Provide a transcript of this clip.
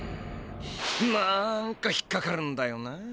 なんか引っかかるんだよな。